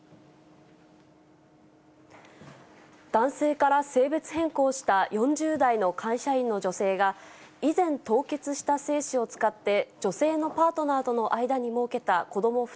男性から性別変更した４０代の会社員の女性が、以前、凍結した精子を使って女性のパートナーとの間にもうけた子ども